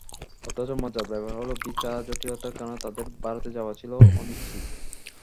অথচ মজার ব্যাপার হলো, ভিসা জটিলতার কারণে তাদের ভারতে যাওয়াই ছিল অনিশ্চিত।